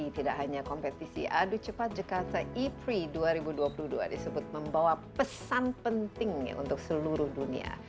tidak hanya kompetisi adu cepat jakarta e pri dua ribu dua puluh dua disebut membawa pesan penting untuk seluruh dunia